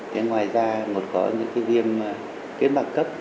thế ngoài ra còn có những cái viêm kết mạc cấp